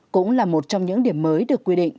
cũng là một trong những điểm mới được quy định